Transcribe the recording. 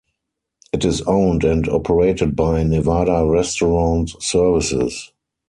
It is owned and operated by Nevada Restaurant Services.